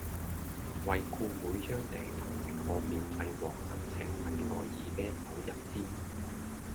惠顧每張訂單即可免費獲贈赤米愛爾啤酒一支